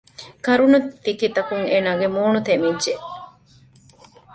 ކަރުނަތިކިތަކުން އޭނާގެ މޫނު ތެމިއްޖެ